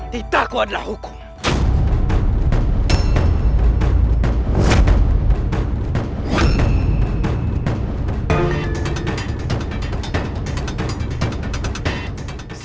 tidak ku adalah hukum